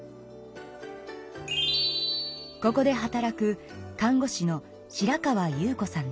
ここで働く看護師の白川優子さんです。